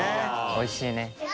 おいしいね。